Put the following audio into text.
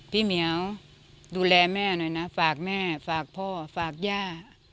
เหมียวดูแลแม่หน่อยนะฝากแม่ฝากพ่อฝากย่า